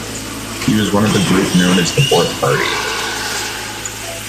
He was one of the group known as the Fourth Party.